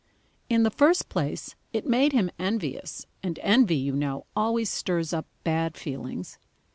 In the first place it made him envious, and envy, you know, always stirs up bad feelings.